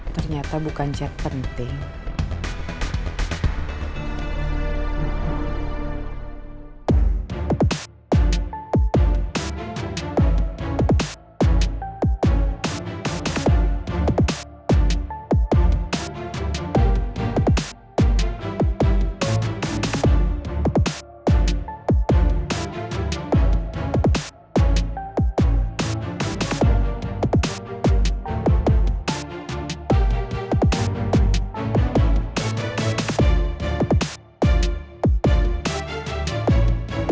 ternyata bukan chat penting